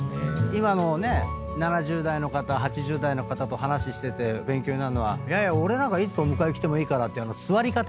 今の７０代の方８０代の方と話してて勉強になるのは俺なんかいつお迎えきてもいいからって据わり方？